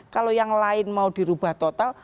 kalau yang lain mau dirubah total